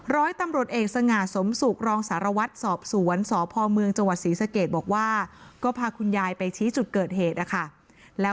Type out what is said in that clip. ร้อยตำรวจเอกสง่าสมสุขรองสารวัตรสอบสวนสพเมืองจังหวัดศรีสะเกดบอกว่าก็พาคุณยายไปชี้จุดเกิดเหตุนะคะ